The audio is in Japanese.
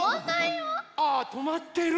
ああとまってる！